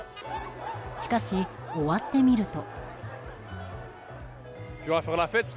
しかし、終わってみると。